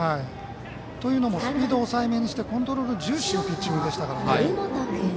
というのもスピードを抑えめにしてコントロール重視のピッチングでしたからね。